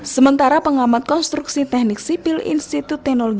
sementara pengamat konstruksi teknik sipil institut teknologi